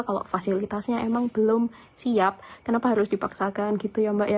kalau fasilitasnya emang belum siap kenapa harus dipaksakan gitu ya mbak ya